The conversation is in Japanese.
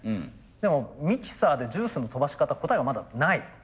でもミキサーでジュースの飛ばし方答えはまだない。